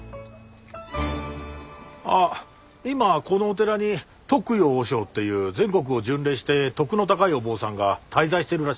あっ今このお寺に徳陽和尚っていう全国を巡礼して徳の高いお坊さんが滞在してるらしいよ。